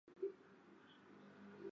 Normala duk, atsedena behar duk.